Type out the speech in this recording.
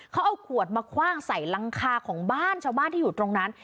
เขาเอาขวดมาคว่างใส่หลังคาของบ้านชาวบ้านที่อยู่ตรงนั้น